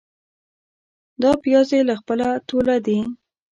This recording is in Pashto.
دا پیاز يې له خپله توله دي.